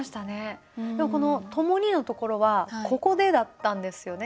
この「ともに」のところは「ここで」だったんですよね。